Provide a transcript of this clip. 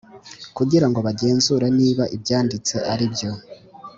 kugira ngo bagenzure niba ibyanditse aribyo